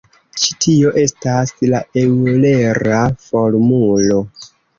Ĉi tio estas la eŭlera formulo.